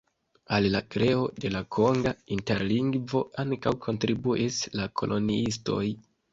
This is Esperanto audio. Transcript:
Al la kreo de la konga interlingvo ankaŭ kontribuis la koloniistoj.